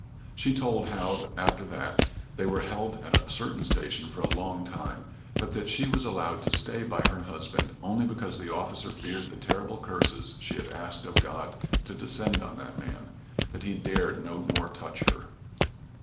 She told how after that they were held at a certain station for a long time, but that she was allowed to stay by her husband only because the officer feared the terrible curses she had asked of God to descend on that man, that he dared no more touch her.